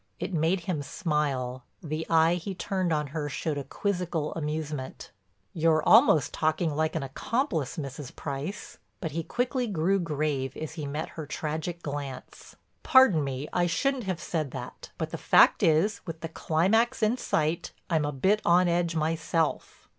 It made him smile, the eye he turned on her showed a quizzical amusement: "You're almost talking like an accomplice, Mrs. Price." But he quickly grew grave as he met her tragic glance. "Pardon me, I shouldn't have said that, but the fact is, with the climax in sight, I'm a bit on edge myself."